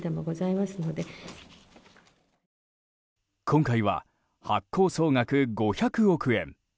今回は、発行総額５００億円。